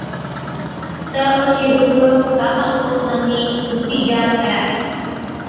تہ اوڇِي بِک ساتان ڪوسان چِي هُتِي جا ڇَي۔